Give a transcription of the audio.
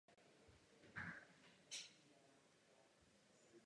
Řada zdejších stavení slouží k individuální rekreaci.